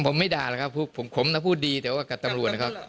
ผมไม่ด่าหรอกครับผมพูดดีแต่กับตำรวจครับ